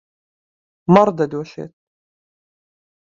مەڕ دەدۆشێت.